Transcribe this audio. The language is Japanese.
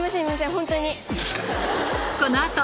ホントに。